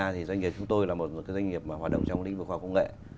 thì doanh nghiệp chúng tôi là một doanh nghiệp mà hoạt động trong lĩnh vực khoa học công nghệ